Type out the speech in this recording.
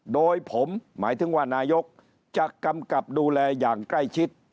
โดยผมหมายถึงว่านายกจะกำกับดูแลอย่างใกล้ชิด